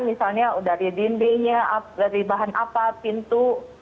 misalnya dari dindingnya dari bahan apa pintu